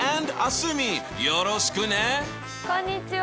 こんにちは！